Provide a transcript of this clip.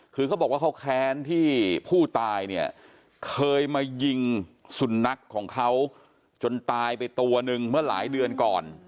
คือเขาบอกว่าเขาแค้นที่ผู้ตายเนี่ยเคยมายิงสุนัขของเขาจนตายไปตัวหนึ่งเมื่อหลายเดือนก่อน